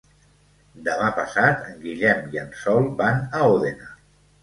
Demà passat en Guillem i en Sol van a Òdena.